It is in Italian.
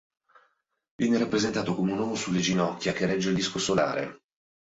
Viene rappresentato come un uomo sulle ginocchia, che regge il disco solare.